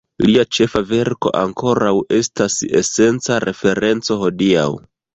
Lia ĉefa verko ankoraŭ estas esenca referenco hodiaŭ.